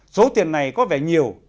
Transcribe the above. số tiền này có vẻ nhiều